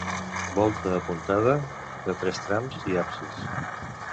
Volta apuntada, de tres trams i absis.